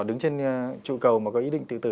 đứng trên trụ cầu mà có ý định tự tử